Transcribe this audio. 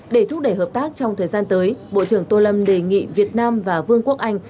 để thúc đẩy hợp tác trong thời gian tới bộ trưởng tô lâm đề nghị việt nam và vương quốc anh